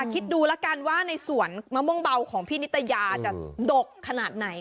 คิดดูแล้วกันว่าในสวนมะม่วงเบาของพี่นิตยาจะดกขนาดไหน